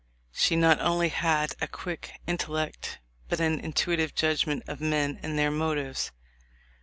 She not only had a quick intellect but an intuitive judg ment of men and their motives.